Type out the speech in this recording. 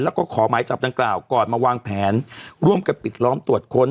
แล้วก็ขอหมายจับดังกล่าวก่อนมาวางแผนร่วมกันปิดล้อมตรวจค้น